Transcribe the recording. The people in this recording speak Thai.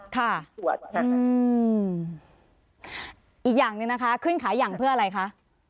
สวดค่ะอีกอย่างหนึ่งนะคะขึ้นขายอย่างเพื่ออะไรคะ